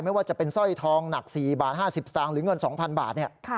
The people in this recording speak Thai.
ไม่ว่าจะเป็นสร้อยทองหนัก๔บาท๕๐สตางค์หรือเงิน๒๐๐บาท